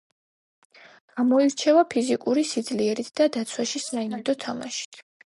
გამოირჩევა ფიზიკური სიძლიერით და დაცვაში საიმედო თამაშით.